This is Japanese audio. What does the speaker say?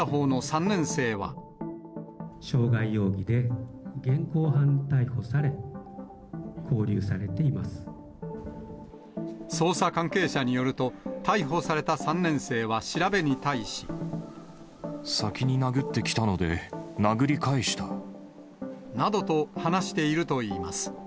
傷害容疑で現行犯逮捕され、捜査関係者によると、先に殴ってきたので、殴り返した。などと話しているといいます。